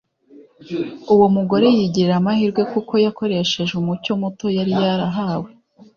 Uwo mugore yigirira amahirwe kuko yakoresheje umucyo muto yari yarahawe;